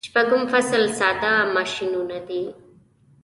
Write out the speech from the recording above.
شپږم فصل ساده ماشینونه دي.